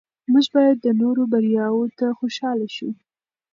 موږ باید د نورو بریاوو ته خوشحاله شو